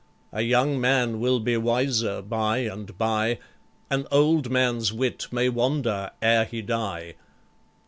A young man will be wiser by and by; An old man's wit may wander ere he die.